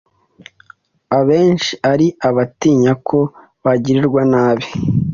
abenshi ari abatinya ko bagirirwa nabi.